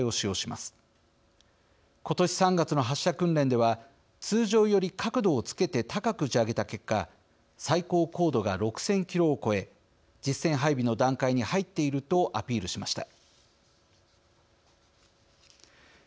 今年３月の発射訓練では通常より角度をつけて高く打ち上げた結果最高高度が６，０００キロを超え実戦配備の段階に入っているとアピールしました。